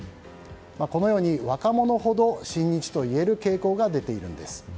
このように若者ほど親日といえる傾向が出ているんです。